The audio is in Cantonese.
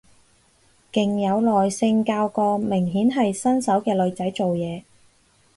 勁有耐性教個明顯係新手嘅女仔做嘢